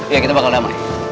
iya kita bakal damai